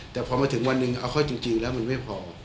แต่พอมาถึงวันหนึ่งเอาเข้าจริงแล้วมันไม่พอ